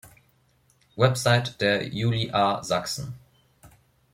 Website der JuliA Sachsen